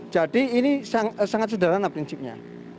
jadi ini sangat sederhana prinsipnya